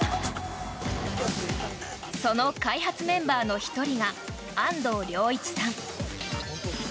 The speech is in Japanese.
その開発メンバーの１人が安藤良一さん。